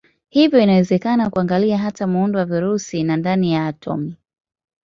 Hivyo inawezekana kuangalia hata muundo wa virusi na ndani ya atomi.